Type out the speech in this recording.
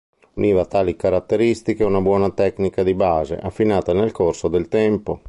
Univa a tali caratteristiche una buona tecnica di base, affinata nel corso del tempo.